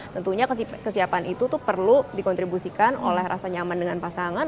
tentunya kesiapan itu tuh perlu dikontribusikan oleh rasa nyaman dengan pasangan